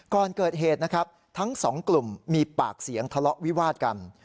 ก่อนเกิดเหตุนะครับทั้งสองกลุ่มมีปากเสียงทะเลาะวิวาดกัน